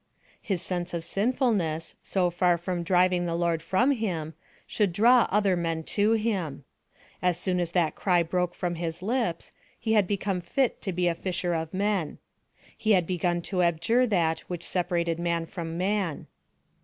His sense of sinfulness, so far from driving the Lord from him, should draw other men to him. As soon as that cry broke from his lips, he had become fit to be a fisher of men. He had begun to abjure that which separated man from man.